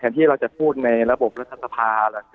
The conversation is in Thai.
แทนที่เราจะพูดในระบบรัฐสภาคศัตริย์